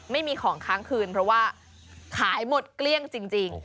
ไม่มีของค้างคืนเพราะว่าขายหมดเกลี้ยงจริง